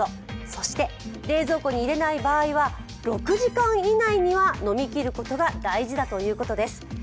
そして冷蔵庫に入れない場合は６時間以内には飲みきることが大事だといいます。